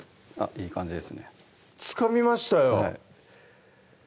いい感じですねつかみましたよよ